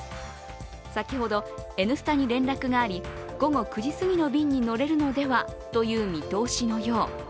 先ほど、「Ｎスタ」に連絡があり午後９時すぎの便に乗れるのではという見通しのよう。